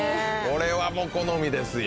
これはもう好みですよ